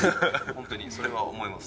本当に、それは思います。